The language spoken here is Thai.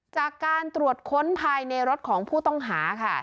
จากการตรวจค้นภายในรถของผู้ต้องหาค่ะ